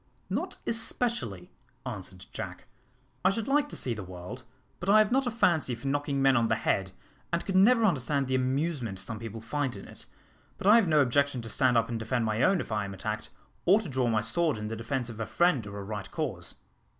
"Not especially," answered Jack: "I should like to see the world, but I have not a fancy for knocking men on the head, and could never understand the amusement some people find in it; but I have no objection to stand up and defend my own if I am attacked, or to draw my sword in the defence of a friend or a right cause."